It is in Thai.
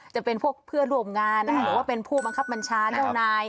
จะเป็นพวกเพื่อนร่วมงานนะคะหรือว่าเป็นผู้บังคับบัญชาเจ้านาย